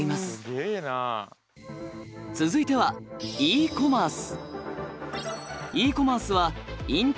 続いてはＥコマース。